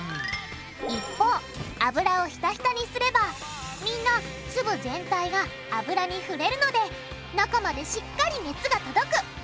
一方油をひたひたにすればみんな粒全体が油に触れるので中までしっかり熱が届く。